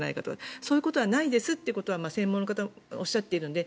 そういうことはないと専門家の方もおっしゃっているので。